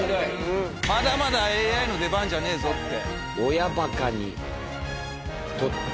まだまだＡＩの出番じゃねえぞって。